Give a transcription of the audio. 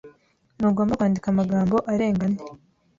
Ntugomba kwandika amagambo arenga ane.